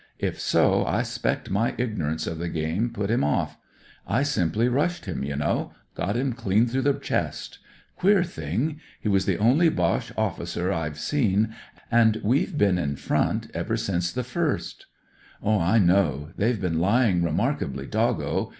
If so, I *spect my ignorance of the game put him 128 BROTHERS OF THE PARSONAGE off. I simply rushed him, you know; got him clean through the chest. Queer thing! He was the only Boche oflScer I've seen, and we've been in front ever since the 1st." I know. They've been lying remark ably doggo.